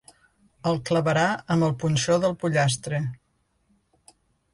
El clavarà amb el punxó del pollastre.